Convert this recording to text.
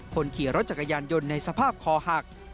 คนขี่รถจักรยานยนต์ในสภาพคอหัก